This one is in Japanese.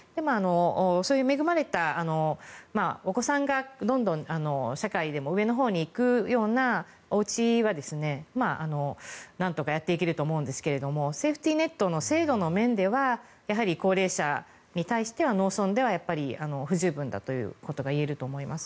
そういう恵まれたお子さんがどんどん社会でも上のほうに行くようなおうちはなんとかやっていけると思うんですがセーフティーネットの制度の面ではやはり高齢者に対しては農村では不十分だということが言えると思います。